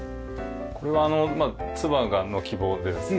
これはあの妻の希望でですね